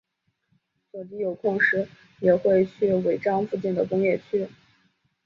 佐吉有空时也会去尾张附近的工业区。